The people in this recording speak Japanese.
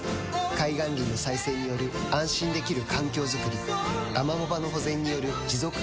海岸林の再生による安心できる環境づくりアマモ場の保全による持続可能な海づくり